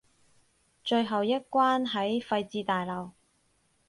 最後一關喺廢置大樓